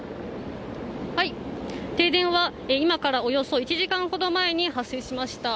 停電は今からおよそ１時間ほど前に発生しました。